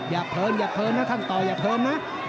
อย่าเพิร์นทางต่ออย่าเพิร์นนะ